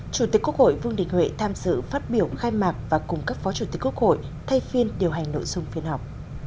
chủ tịch quốc hội vương đình huệ tham dự phát biểu khai mạc và cùng các phó chủ tịch quốc hội thay phiên điều hành nội dung phiên họp